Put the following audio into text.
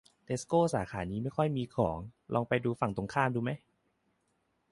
เทสโกสาขานี้ไม่ค่อยมีของ ลองไปดูร้านฝั่งตรงข้ามดูไหม